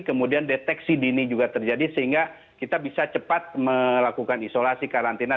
kemudian deteksi dini juga terjadi sehingga kita bisa cepat melakukan isolasi karantina